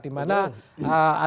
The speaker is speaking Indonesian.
dimana ada yang menyatakan